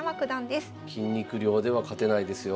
筋肉量では勝てないですよ。